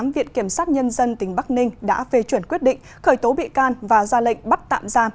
viện kiểm sát nhân dân tỉnh bắc ninh đã phê chuẩn quyết định khởi tố bị can và ra lệnh bắt tạm giam